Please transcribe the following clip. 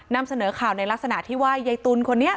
นำเสนอข่าวในลักษณะที่ว่ายายตุลคนนี้